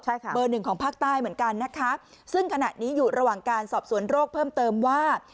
ใช่ค่ะเบอร์หนึ่งของภาคใต้เหมือนกันนะคะซึ่งขณะนี้อยู่ระหว่างการสอบสวนโรคเพิ่มเติมว่า